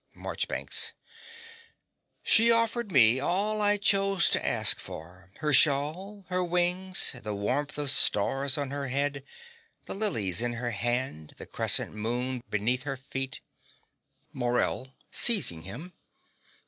MARCHBANKS. She offered me all I chose to ask for, her shawl, her wings, the wreath of stars on her head, the lilies in her hand, the crescent moon beneath her feet MORELL (seizing him).